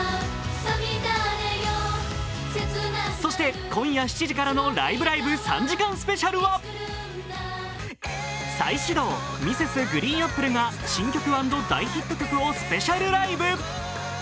そして、今夜７時からの「ライブライブ３時間スペシャル」は、再始動、Ｍｒｓ．ＧＲＥＥＮＡＰＰＬＥが新曲＆大ヒット曲をスペシャルライブ。